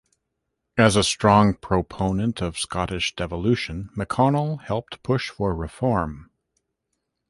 As a strong proponent of Scottish devolution, McConnell helped push for reform.